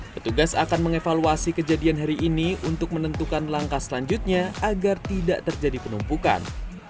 petugas akan mengevaluasi kejadian hari ini untuk menentukan langkah selanjutnya agar tidak terjadi penumpukan